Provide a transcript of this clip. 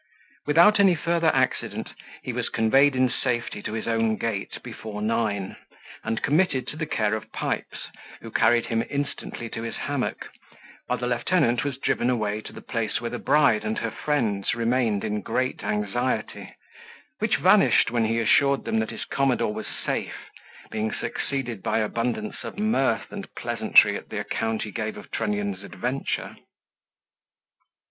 Without any further accident, he was conveyed in safety to his own gate before nine, and committed to the care of Pipes, who carried him instantly to his hammock, while the lieutenant was driven away to the place where the bride and her friends remained in great anxiety, which vanished when he assured them that his commodore was safe, being succeeded by abundance of mirth and pleasantry at the account he gave of Trunnion's adventure.